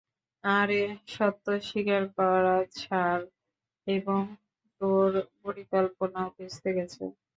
আরে সত্য স্বীকার করা ছাড়, এবং তোর পরিকল্পনাও ভেস্তে গেছে।